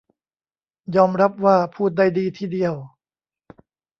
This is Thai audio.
ยอมรับว่าพูดได้ดีทีเดียว